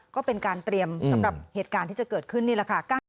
ก็เป็นการเตรียมสำหรับเหตุการณ์ที่จะเกิดขึ้นนี่แหละค่ะ